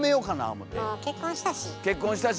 もう結婚したし。